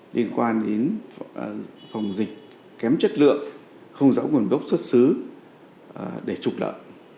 liên quan đến phòng dịch kém chất lượng không rõ nguồn gốc xuất xứ để trục lợi